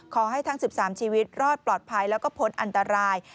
ทั้ง๑๓ชีวิตรอดปลอดภัยแล้วก็พ้นอันตราย